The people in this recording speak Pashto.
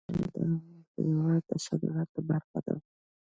سلیمان غر د هېواد د صادراتو برخه ده.